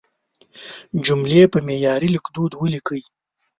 جملې په معیاري لیکدود ولیکئ.